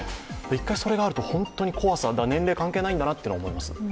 一回それがあると本当に怖さが年齢関係ないんだなと思います。